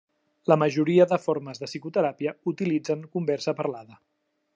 La majoria de formes de psicoteràpia utilitzen conversa parlada.